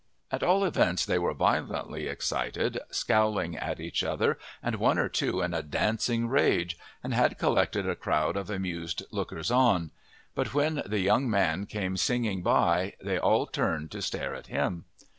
At all events they were violently excited, scowling at each other and one or two in a dancing rage, and had collected a crowd of amused lookers on; but when the young man came singing by they all turned to stare at him.